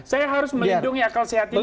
saya harus melindungi akal sehat ini